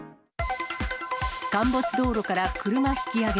陥没道路から車引き上げ。